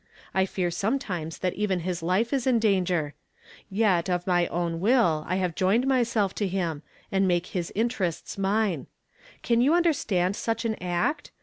I fear sometimes that even his life is in danger. Vet of my own will, I have joined myself to him. and made his interests mine. Can you understand such an act?